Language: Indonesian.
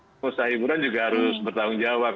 pengusaha hiburan juga harus bertanggung jawab